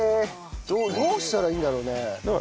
どうしたらいいんだろうね？